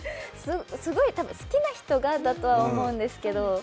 すごい好きな人が、だとは思うんですけど。